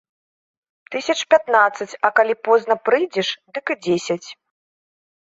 Тысяч пятнаццаць, а калі позна прыйдзеш, дык і дзесяць.